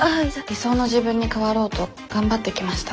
理想の自分に変わろうと頑張ってきました。